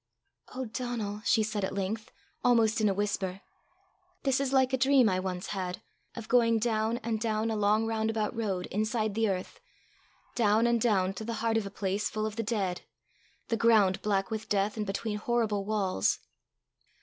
"Oh, Donal!" she said at length, almost in a whisper, "this is like a dream I once had, of going down and down a long roundabout road, inside the earth, down and down, to the heart of a place full of the dead the ground black with death, and between horrible walls."